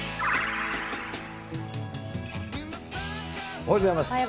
おはようございます。